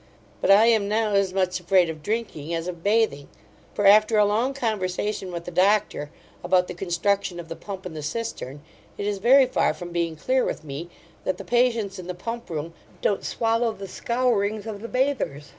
But I am now as much afraid of drinking, as of bathing; for, after a long conversation with the Doctor, about the construction of the pump and the cistern, it is very far from being clear with me, that the patients in the Pump room don't swallow the scourings of the bathers.